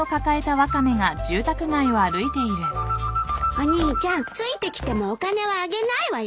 お兄ちゃんついてきてもお金はあげないわよ。